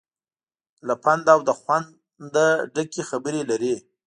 له پند او له خوند نه ډکې خبرې لري.